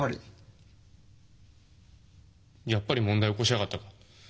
「やっぱり問題起こしやがったか。